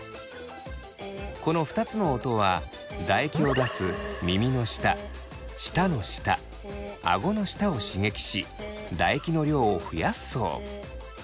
この２つの音は唾液を出す耳の下舌の下あごの下を刺激し唾液の量を増やすそう。